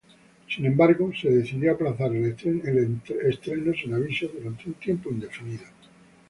Sin embargo, se decidió aplazar el estreno sin aviso durante un tiempo indefinido.